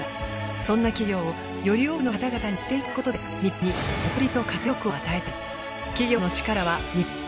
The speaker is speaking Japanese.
そんな企業をより多くの方々に知っていただくことで日本に誇りと活力を与えたい。